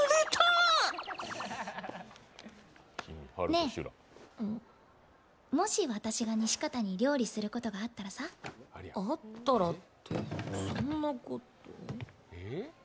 ねぇ、もし私が西片に料理することがあったらさあったらって、そんなこと。